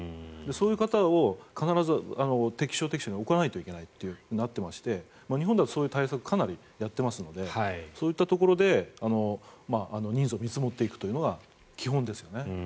そういう方を必ず適所適所に置かないといけないとなっているので日本ではそういう対策をかなりやっていますのでそういったところで人数を見積もっていくというのが基本ですよね。